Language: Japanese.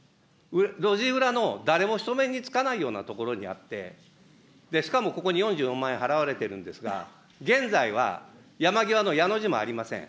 路地裏の誰も人目につかないような所にあって、しかもここに４４万円払われてるんですが、現在は、山際のやの字もありません。